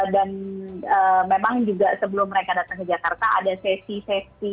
dan memang juga sebelum mereka datang ke jakarta ada sesi sesi